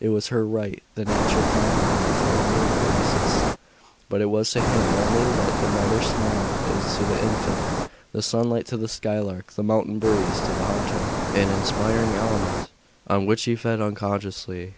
It was her right; the natural complement of her other graces but it was to him only what the mother's smile is to the infant, the sunlight to the skylark, the mountain breeze to the hunter an inspiring element, on which he fed unconsciously.